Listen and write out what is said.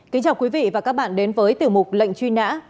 kính chào quý vị và các bạn đến với tiểu mục lệnh truy nã